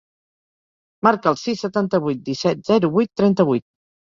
Marca el sis, setanta-vuit, disset, zero, vuit, trenta-vuit.